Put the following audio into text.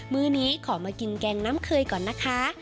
มื้อนี้ขอมากินแกงน้ำเคยก่อนนะคะ